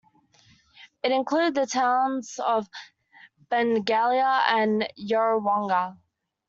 It included the towns of Benalla and Yarrawonga.